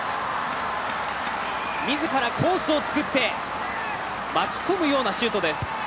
自らコースを作って巻き込むようなシュートです。